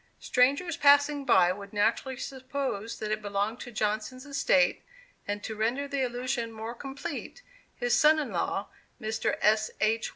Strangers passing by would naturally suppose that it belonged to Johnson's estate, and to render the illusion more complete, his son in law, Mr. S. H.